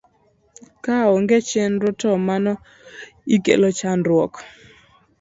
Kaonge chenro to mano ikelo chandruok